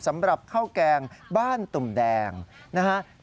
สำหรับข้าวแกงบ้านตุ่มแดงนะฮะ